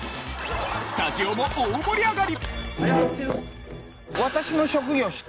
スタジオも大盛り上がり！